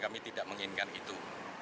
kami tidak menginginkan itu